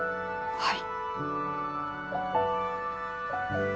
はい。